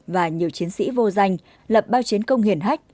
và nhiều chiến sĩ vô danh lập bao chiến công hiển hách